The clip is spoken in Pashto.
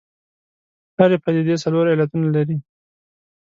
هرې پدیدې څلور علتونه لري.